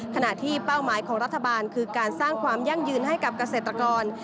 เป้าหมายของรัฐบาลคือการสร้างความยั่งยืนให้กับเกษตรกร